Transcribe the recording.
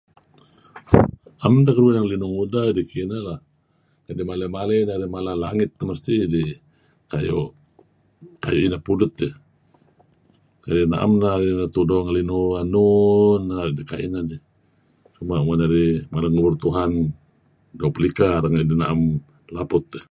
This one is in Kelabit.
Naem teh kediih ngelinuh ngudeh idih kineh lah kadi' maley-maley narih mala langit mesti dih kayu' ineh pudut tih. Kadi naem narih neh tudo ngelinuh enun neh naru' idih kineh dih. Kema' narih maya' ngubur Tuhan uhm doo' pelika neh, naem laput teh.